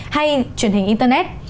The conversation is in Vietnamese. hay truyền hình internet